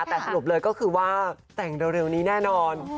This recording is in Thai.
แต่สรุปเลยก็คือว่าแต่งเร็วนี้แน่นอน